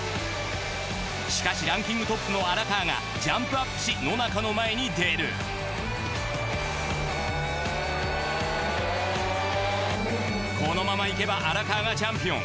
しかしランキングトップの荒川がジャンプアップし野中の前に出るこのままいけば荒川がチャンピオン。